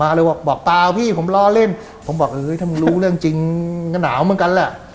เลยบอกบอกเปล่าพี่ผมล้อเล่นผมบอกเอ้ยถ้ามึงรู้เรื่องจริงก็หนาวเหมือนกันแหละ